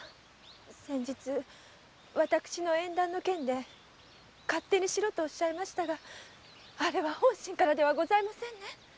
先日私の縁談の件で勝手にしろとおっしゃいましたがあれは本心からではございませんね。